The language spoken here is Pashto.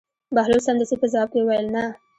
بهلول سمدستي په ځواب کې وویل: نه.